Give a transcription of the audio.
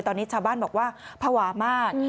ตอนนี้ชาวบ้านบอกว่าภาวะมาก